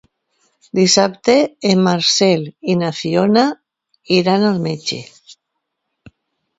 Dissabte en Marcel i na Fiona iran al metge.